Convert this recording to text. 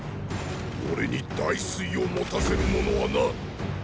俺に“大錘”を持たせる者はな。